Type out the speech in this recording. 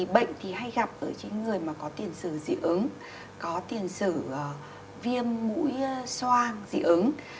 bệnh hay gặp ở những người có tiền sử dị ứng có tiền sử viêm mũi soan dị ứng